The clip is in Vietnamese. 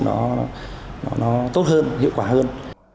nó tốt hơn hiệu quả hơn